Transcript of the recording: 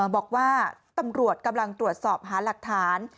บอกว่าตำรวจกำลังตรวจสอบหาหลักฐาน